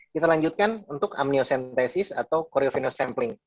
kita lanjutkan untuk amniocentesis atau chorovenous sampling